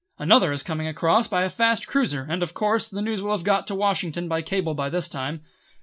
Another is coming across by a fast cruiser, and, of course, the news will have got to Washington by cable by this time.